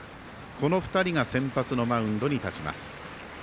この２人が先発のマウンドに立ちます。